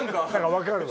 分かるわ。